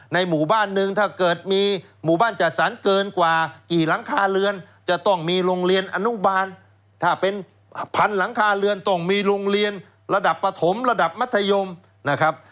หมู่บ้านหนึ่งถ้าเกิดมีหมู่บ้านจัดสรรเกินกว่ากี่หลังคาเรือนจะต้องมีโรงเรียนอนุบาลถ้าเป็นพันหลังคาเรือนต้องมีโรงเรียนระดับปฐมระดับมัธยมนะครับ